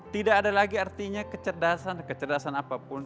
tidak ada lagi artinya kecerdasan kecerdasan apapun